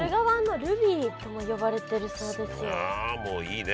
もういいね。